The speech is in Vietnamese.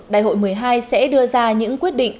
đại hội một mươi hai sẽ đưa ra những quyết định